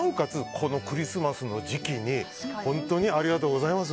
このクリスマスの時期に本当にありがとうございます。